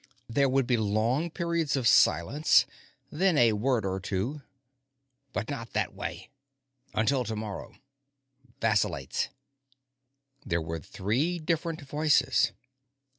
There would be long periods of silence, then a word or two: "But not that way." "Until tomorrow." "Vacillates." There were three different voices.